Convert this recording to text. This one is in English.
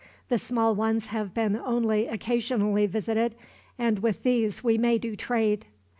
The small ones have been only occasionally visited, and with these we may do trade.